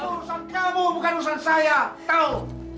urusan kamu bukan urusan saya tahu